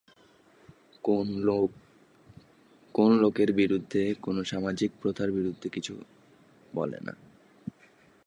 কোন লোকের বিরুদ্ধে, কোন সামাজিক প্রথার বিরুদ্ধে কিছু বল না।